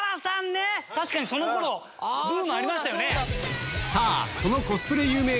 確かにその頃ブームありましたよね。